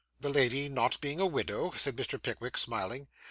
'The lady not being a widow,' said Mr. Pickwick, smiling.